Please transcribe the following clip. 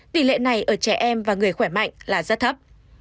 tỷ lệ này ở trẻ em và người khỏe mạnh là rất thấp